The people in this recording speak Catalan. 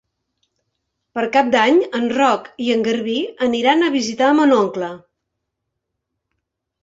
Per Cap d'Any en Roc i en Garbí aniran a visitar mon oncle.